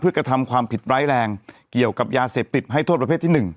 เพื่อกระทำความผิดร้ายแรงเกี่ยวกับยาเสพติดให้โทษประเภทที่๑